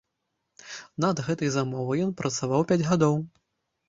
Над гэтаю замовай ён працаваў пяць гадоў.